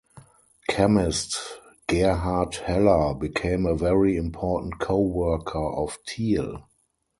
Chemist Gerhard Heller became a very important co-worker of Thiel.